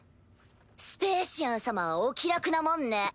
スペーシアン様はお気楽なもんね。